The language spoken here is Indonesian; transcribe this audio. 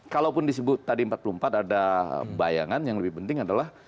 kalaupun disebut tadi empat puluh empat ada bayangan yang lebih penting adalah